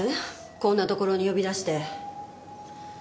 こんなところに呼び出して。